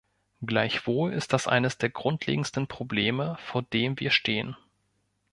Gleichwohl ist das eines der grundlegendsten Probleme, vor dem wir stehen.